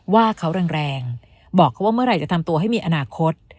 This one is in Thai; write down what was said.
ว่าเขาแรงบอกเขาว่าเมื่อไหร่จะทำตัวให้มีอนาคต